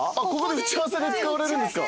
打ち合わせで使われるんですか。